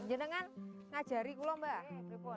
ini kan ngajari kulon mbak